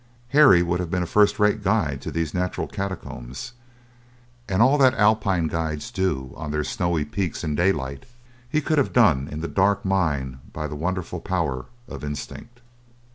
Harry would have been a first rate guide to these natural catacombs, and all that Alpine guides do on their snowy peaks in daylight he could have done in the dark mine by the wonderful power of instinct.